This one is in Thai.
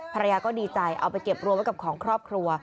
ภรรยาก็ดีใจเอาไปเก็บรวมไว้กับของครอบครัว